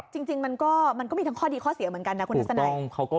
จริงมันก็มีทั้งข้อดีข้อเสียเหมือนกันนะคุณทัศนัย